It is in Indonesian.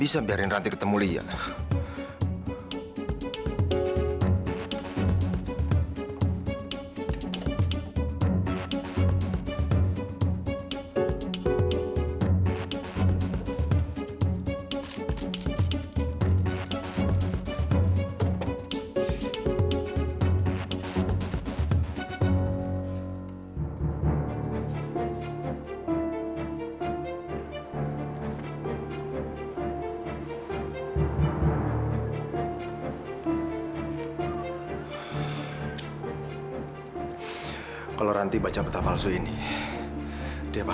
sampai jumpa di video selanjutnya